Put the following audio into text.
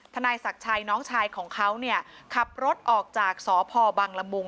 นายศักดิ์ชัยน้องชายของเขาเนี่ยขับรถออกจากสพบังละมุง